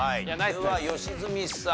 では良純さん。